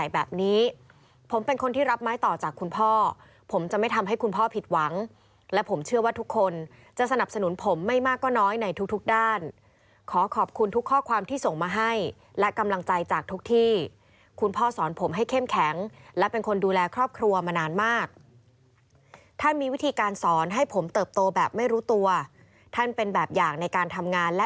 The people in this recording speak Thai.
แบบนี้ผมเป็นคนที่รับไม้ต่อจากคุณพ่อผมจะไม่ทำให้คุณพ่อผิดหวังและผมเชื่อว่าทุกคนจะสนับสนุนผมไม่มากก็น้อยในทุกทุกด้านขอขอบคุณทุกข้อความที่ส่งมาให้และกำลังใจจากทุกที่คุณพ่อสอนผมให้เข้มแข็งและเป็นคนดูแลครอบครัวมานานมากท่านมีวิธีการสอนให้ผมเติบโตแบบไม่รู้ตัวท่านเป็นแบบอย่างในการทำงานและ